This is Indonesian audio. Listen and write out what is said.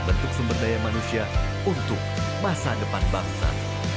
bentuk sumber daya manusia untuk masa depan bangsa